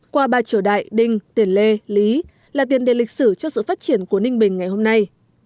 qua ba triều đại đinh tiền lê lý là tiền đề lịch sử cho sự phát triển của ninh bình ngày hôm nay